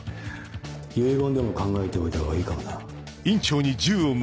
遺言でも考えておいたほうがいいかもな。